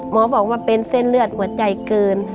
บอกว่าเป็นเส้นเลือดหัวใจเกิน